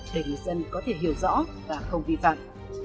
để người dân có thể hiểu rõ và không vi phạm